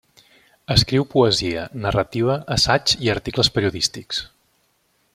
Escriu poesia, narrativa, assaig i articles periodístics.